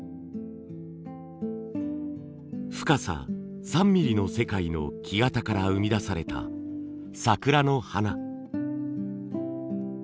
深さ３ミリの世界の木型から生み出された桜の花。